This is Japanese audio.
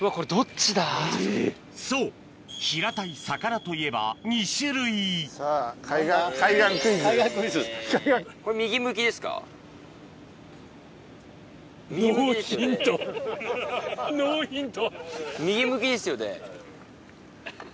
そう平たい魚といえば２種類ノーヒント！